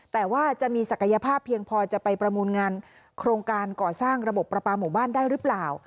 แต่ว่าจะมีศักยภาพเพียงพอจะไปประมูลงานโครงการก่อสร้างระบบประปาหมู่บ้านได้หรือเปล่า